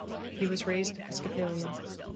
He was raised Episcopalian.